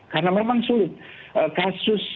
karena memang sulit kasus